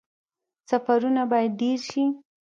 سفرونه باید ډیر شي